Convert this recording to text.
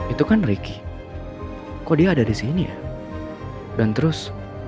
itu kan ricky kok dia ada di sini ya dan terus